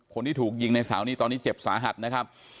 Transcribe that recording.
คนที่ถูกยิงในเสานี้ตอนนี้เจ็บสาหัสนะครับ